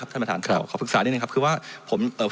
ครับท่านบาทท่านครับขอพึกษานีหนึ่งครับคือว่าผมเอา